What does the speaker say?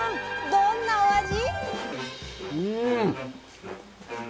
どんなお味？